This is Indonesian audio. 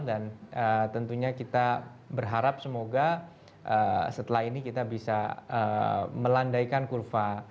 dan tentunya kita berharap semoga setelah ini kita bisa melandaikan kurva